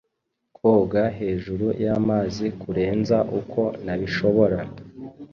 Koga hejuru yamazi kurenza uko nabishobora